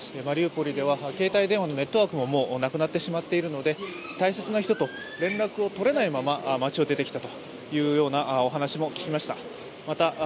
マリウポリでは携帯電話のネットワークももうなくなってしまっているので大切な人と連絡を取れないまま街を出てきたというお話も聞きました。